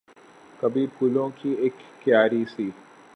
کبھی پھولوں کی اک کیاری سی